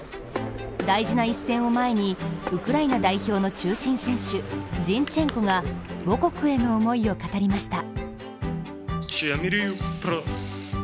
大事な一戦を前にウクライナ代表の中心選手、ジンチェンコが母国への思いを語りました。